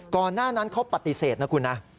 ก่อนหน้านั้นเขาปฏิเสธนะคุณนะ